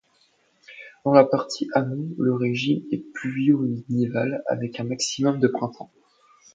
Dans la partie amont, le régime est pluvio-nival avec un maximum de printemps.